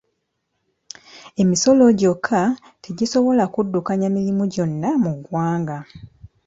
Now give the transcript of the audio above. Emisolo gyokka tegisobola kuddukanya mirimu gyonna mu ggwanga.